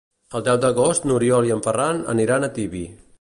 El deu d'agost n'Oriol i en Ferran aniran a Tibi.